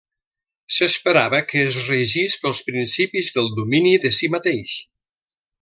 S'esperava que es regís pels principis del domini de si mateix.